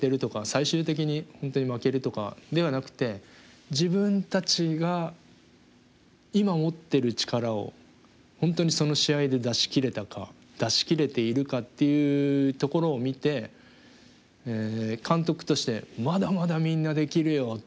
最終的に本当に負けるとかではなくて自分たちが今持ってる力を本当にその試合で出しきれたか出しきれているかっていうところを見て監督として「まだまだみんなできるよ」。